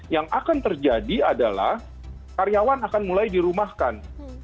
yang akan terjadi adalah karyawan akan mulai dirumahkan